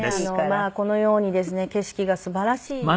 まあこのようにですね景色がすばらしい場所に。